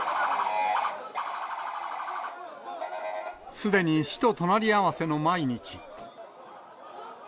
すでに死と隣り合わせの毎日。